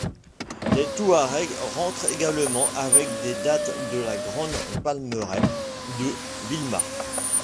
Les Touaregs rentrent également avec des dattes de la grande palmeraie de Bilma.